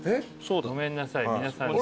ごめんなさい皆さんで。